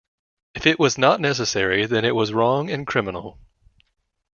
If it was not necessary, then it was wrong and criminal.